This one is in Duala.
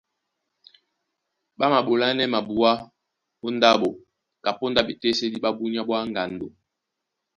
Ɓá maɓolánɛ́ mabuá ó ndáɓo kapóndá ɓetésédí ɓá búnyá ɓwá ŋgando,